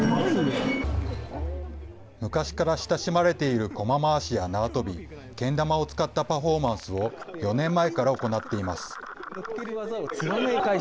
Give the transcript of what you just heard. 昔から親しまれているコマ回しや縄跳び、けん玉を使ったパフォーマンスを４年前から行っています。